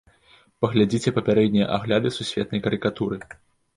Паглядзіце папярэднія агляды сусветнай карыкатуры.